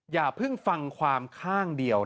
อย่าเพิ่งฟังความข้างเดียว